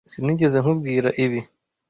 Sinigeze nkubwira ibi.